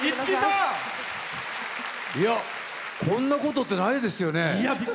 こんなことってないですよね。